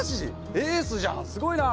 エースじゃんすごいなぁ！